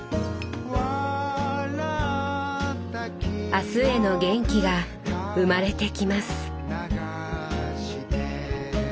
明日への元気が生まれてきます。